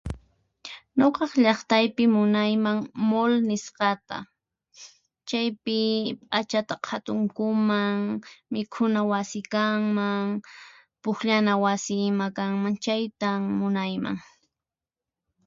Nuqaq llaqtaypi munayman Moll nisqata, chaypi p'achata qhatunkuman, mikhuna wasi kanman, pukllana wasi ima kanman chaytan munayman.